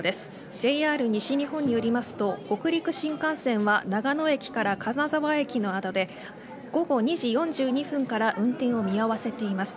ＪＲ西日本によりますと北陸新幹線は長野駅から金沢駅の間で午後２時４２分から運転を見合わせています。